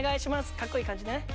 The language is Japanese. かっこいい感じね。